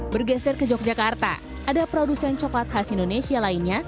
bergeser ke yogyakarta ada produsen coklat khas indonesia lainnya